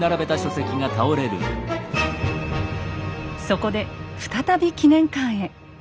そこで再び記念館へ。